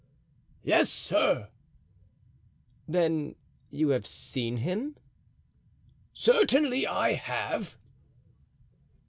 "Yes, sir." "Then you have seen him?" "Certainly I have."